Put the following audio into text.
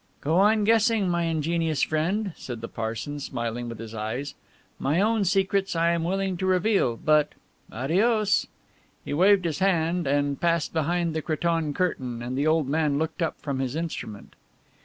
"Go on guessing, my ingenious friend," said the parson, smiling with his eyes, "my own secrets I am willing to reveal but adios!" He waved his hand and passed behind the cretonne curtain and the old man looked up from his instrument.